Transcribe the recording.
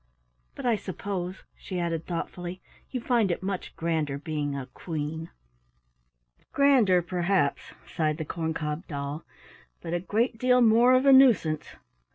But I suppose," she added thoughtfully, "you find it much grander being a Queen?" "Grander, perhaps," sighed the corn cob doll, "but a great deal more of a nuisance.